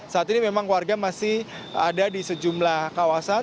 saat ini memang warga masih ada di sejumlah kawasan